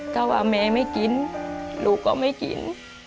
ถ้าว่าแม่ไม่กินลูกก็ไม่กิน